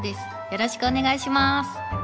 よろしくお願いします。